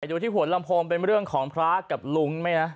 ดูที่หัวลำโพงเป็นเรื่องของพระกับลุงไหมนะ